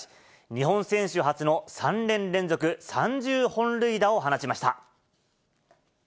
日本選手初の３年連続３０本塁打を放ちました。